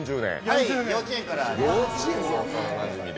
はい、幼稚園から。